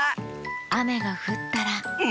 あめがふったらンフフ。